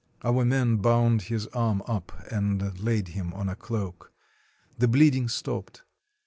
Our men bound his arm up and laid him on a cloak; the bleeding stopped.